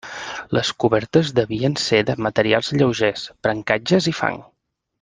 Les cobertes devien ser de materials lleugers: brancatges i fang.